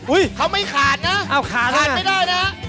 อุ๊ยเขาไม่ขาดนะขาดไม่ได้นะอ้าวขาดนะ